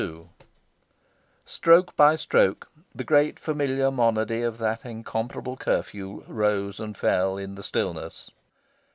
XXII Stroke by stroke, the great familiar monody of that incomparable curfew rose and fell in the stillness.